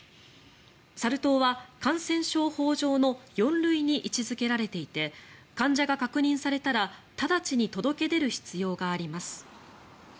サル痘は感染症法上の４類に位置付けられていて患者が確認されたら直ちに届け出る必要があります。